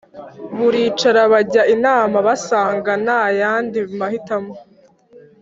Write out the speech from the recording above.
baricara bajya inama basanga ntayandi mahitamo